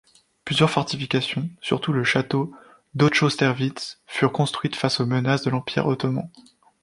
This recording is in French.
Plusieurs fortifications, surtout le château d'Hochosterwitz, furent construites face aux menaces de l'empire ottoman.